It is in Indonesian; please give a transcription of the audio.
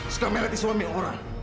suka mereti suami orang